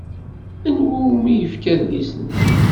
Anwa umi yefka adlis-nni?